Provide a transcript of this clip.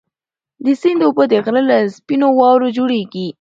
د سیند اوبه د غره له سپینو واورو جوړېږي.